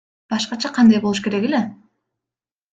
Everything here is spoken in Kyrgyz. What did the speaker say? Башкача кандай болуш керек эле?